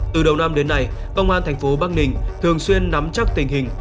từ đầu năm đến nay công an thành phố bắc ninh thường xuyên nắm chắc tình hình